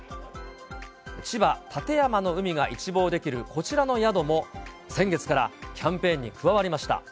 千葉・館山の海が一望できるこちらの宿も、先月からキャンペーンに加わりました。